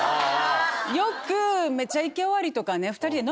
よく『めちゃイケ』終わりとかね。